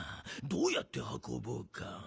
どうやってはこぼうか。